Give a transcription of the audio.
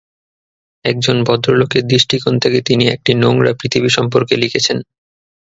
একজন ভদ্রলোকের দৃষ্টিকোণ থেকে তিনি একটি নোংরা পৃথিবী সম্পর্কে লিখেছেন।